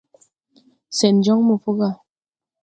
Sɛn jɔŋ mo po gà.